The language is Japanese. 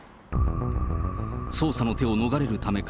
捜査の手を逃れるためか、